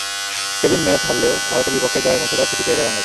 সেদিন ম্যাচ হারলেও ভারতের বিপক্ষে জয়ের মন্ত্রটা ঠিকই পেয়ে যায় বাংলাদেশ।